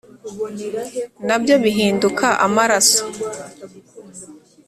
na byo bihinduka amaraso.